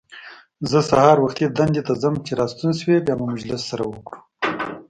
زه سهار وختي دندې ته ځم، چې راستون شوې بیا به مجلس سره وکړو.